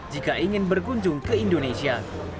jika ingin berkunjung ke indonesia